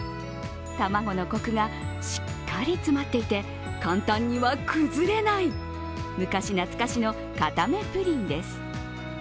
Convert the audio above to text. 卵のこくがしっかり詰まっていて簡単には崩れない、昔懐かしの固めプリンです。